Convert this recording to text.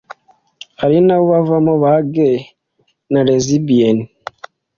arinabo bavamo ba gays na lesibiennes